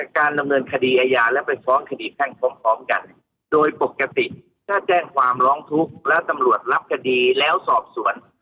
การดำเนินคดีอาญาและไปฟ้องคดีแพ่งพร้อมกันโดยปกติถ้าแจ้งความร้องทุกข์แล้วตำรวจรับคดีแล้วสอบสวน